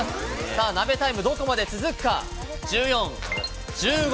さあ、ナベタイム、どこまで続くか。